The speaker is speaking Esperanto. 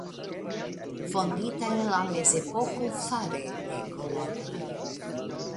Fondita en la Mezepoko fare de kolonoj.